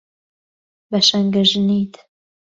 بە شەنگەژنیت